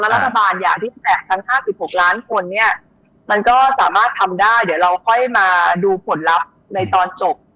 รัฐบาลอย่างที่แตะทั้ง๕๖ล้านคนเนี่ยมันก็สามารถทำได้เดี๋ยวเราค่อยมาดูผลลัพธ์ในตอนจบ